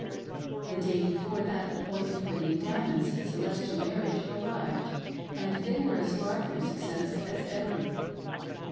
" The day before that appointed for the Endowments and Celestial Marriage arrived, and they were as far from success as ever.